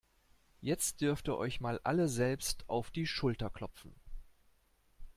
Jetzt dürft ihr euch mal alle selbst auf die Schulter klopfen.